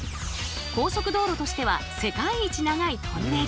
高速道路としては世界一長いトンネル。